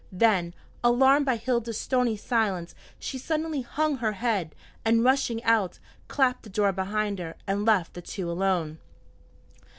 Then, alarmed by Hilda's stony silence, she suddenly hung her head, and, rushing out, clapped the door behind her, and left the two alone.